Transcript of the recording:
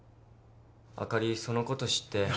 あかりそのこと知って。